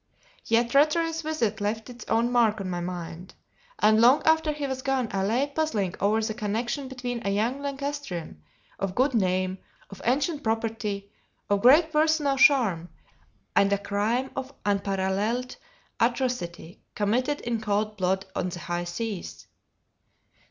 Yet Rattray's visit left its own mark on my mind; and long after he was gone I lay puzzling over the connection between a young Lancastrian, of good name, of ancient property, of great personal charm, and a crime of unparalleled atrocity committed in cold blood on the high seas.